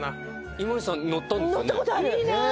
井森さん乗ったんですよね？